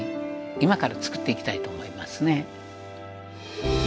今からつくっていきたいと思いますね。